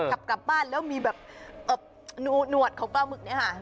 ขับกลับบ้านแล้วมีแบบหนวดของปลาหมึกเนี่ยค่ะ